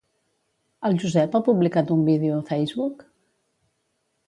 El Josep ha publicat un vídeo a Facebook?